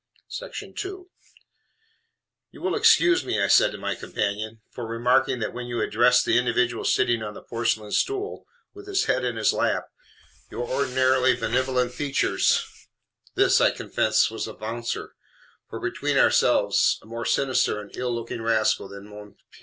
II "You will excuse me," I said to my companion, "for remarking that when you addressed the individual sitting on the porcelain stool, with his head in his lap, your ordinarily benevolent features" (this I confess was a bouncer, for between ourselves a more sinister and ill looking rascal than Mons.